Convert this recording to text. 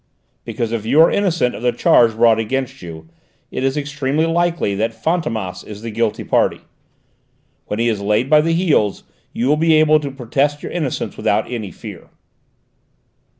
"Because if you are innocent of the charge brought against you, it is extremely likely that Fantômas is the guilty party. When he is laid by the heels you will be able to protest your innocence without any fear."